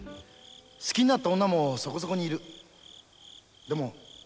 好きになった女もそこそこにいる。